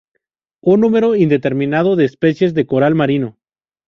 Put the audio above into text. Un número indeterminado de especies de coral marino.